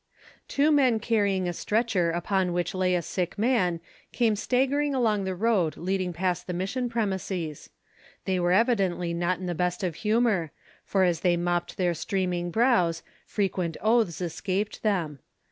Two men carrying a stretcher upon which lay a sick man, came staggering along the road leading past the Mission premises. They were evidently not in the best of humor, for as they mopped their streaming brows, frequent oaths escaped them.